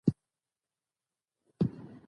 فقره د مطلب وضاحت کوي.